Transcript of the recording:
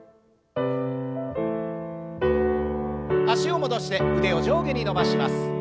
脚を戻して腕を上下に伸ばします。